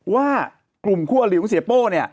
ว่ากลุ่มคั่วหลิวเสียโป้